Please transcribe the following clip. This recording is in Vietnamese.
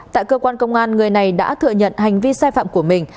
tại cơ quan công an người này đã thừa nhận hành vi sai phạm của mình